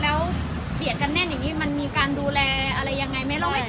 แล้วเบียดกันแน่นอย่างนี้มันมีการดูแลอะไรยังไงไม่ต้องกลัวเหรอคะ